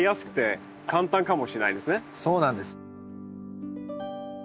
そうなんです。